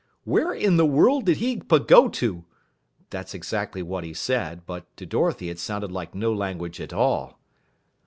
"Where in the world did he pagota?" That's exactly what he said, but to Dorothy it sounded like no language at all.